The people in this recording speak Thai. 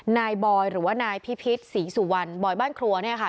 นายบอยหรือว่านายพิพิษศรีสุวรรณบอยบ้านครัวเนี่ยค่ะ